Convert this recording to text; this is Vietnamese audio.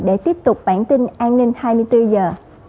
để tiếp tục bản tin an ninh hai mươi bốn giờ